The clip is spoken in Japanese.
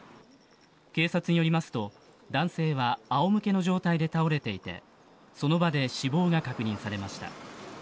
警察によりますと男性は仰向けの状態で倒れていてその場で死亡が確認されました。